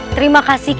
terima kasih kisah anak